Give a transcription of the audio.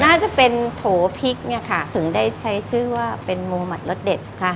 น่าจะเป็นโถพริกเนี่ยค่ะถึงได้ใช้ชื่อว่าเป็นโมมัติรสเด็ดค่ะ